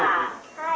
はい。